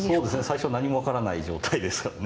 最初何も分からない状態ですからね。